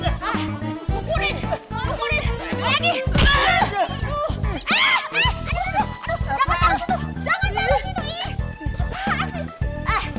jangan taruh situ jangan taruh situ